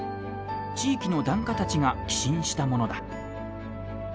地域の檀家たちが寄進したものだ。